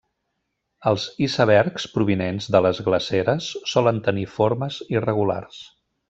Els icebergs provinents de les glaceres solen tenir formes irregulars.